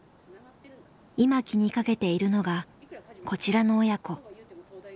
今気にかけているのがこちらの親子。